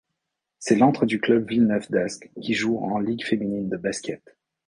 C'est l'antre du club Villeneuve-d’Ascq qui joue en Ligue féminine de basket.